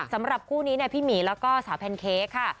สำหรับคู่นี้เนี่ยพี่หมีแล้วก็สาวแพนเค้กค่ะ